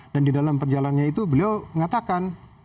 dan di dalam perjalanannya itu beliau mengatakan